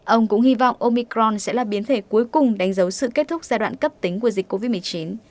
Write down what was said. ông cũng hy vọng omicron sẽ là biến thể cuối cùng đánh dấu sự kết thúc giai đoạn cấp tính của dịch covid một mươi chín